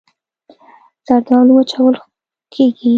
زردالو وچول کېږي.